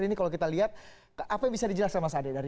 ini kalau kita lihat apa yang bisa dijelaskan mas ade